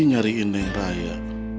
nyariin yang raya